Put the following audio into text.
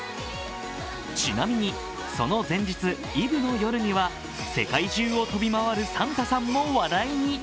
ちなみに、その前日イブの夜には世界中を飛び回るサンタさんも話題に。